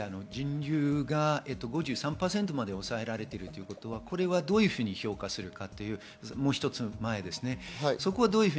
人流が５３％まで抑えられているということは、どういうふうに評価するかということですね。